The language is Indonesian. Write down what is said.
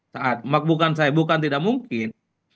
saat bukan saya bukan tidak mungkin